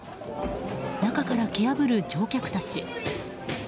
中から蹴破る乗客たち。